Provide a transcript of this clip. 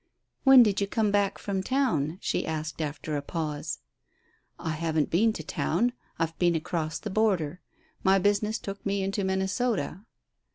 "When did you come back from town?" she asked, after a pause. "I haven't been to town. I've been across the border. My business took me into Minnesota."